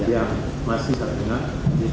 yang masih saya dengar